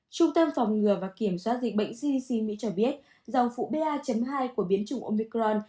trung tâm phòng ngừa và kiểm soát dịch bệnh cic mỹ cho biết dòng phụ ba hai của biến chủng omicron